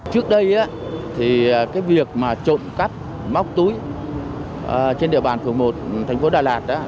trước đây việc trộn cắp móc túi trên địa bàn phường một tp đà lạt